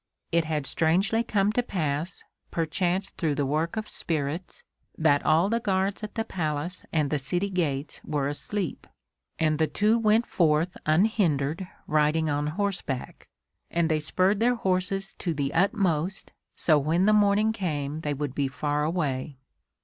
It had strangely come to pass, perchance through the work of spirits, that all the guards at the Palace and the city gates were asleep, and the two went forth unhindered, riding on horse back; and they spurred their horses to the utmost so when the morning came they would be far away.